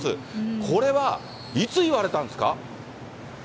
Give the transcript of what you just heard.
これはいつ言われたんですか。